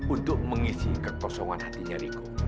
untuk mengisi ketosongan hatinya riku